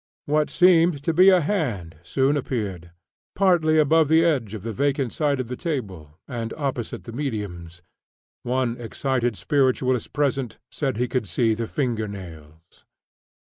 What seemed to be a hand soon appeared, partly above the edge of the vacant side of the table, and opposite the "mediums." One excited spiritualist present said he could see the finger nails.